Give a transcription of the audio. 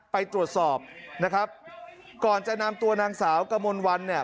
ไปตรวจสอบนะครับก่อนจะนำตัวนางสาวกมลวันเนี่ย